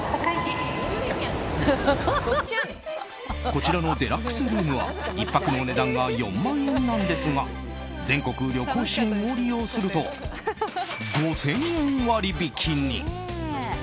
こちらのデラックスルームは１泊の値段が４万円なんですが全国旅行支援を利用すると５０００円割引に。